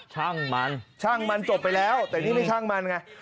ช่างมันช่างมันจบไปแล้วแต่นี่ไม่ช่างมันไง